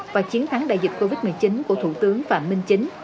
và chiến thắng đại dịch covid một mươi chín của thủ tướng phạm minh chính